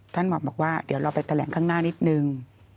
หมอบอกว่าเดี๋ยวเราไปแถลงข้างหน้านิดนึง